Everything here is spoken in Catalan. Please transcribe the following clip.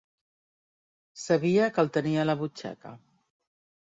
Sabia que el tenia a la butxaca.